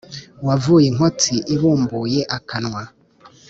wavuye inkotsi ibumbuye akanwa